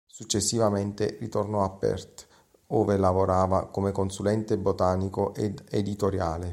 Successivamente ritornò a Perth, ove lavora come consulente botanico ed editoriale.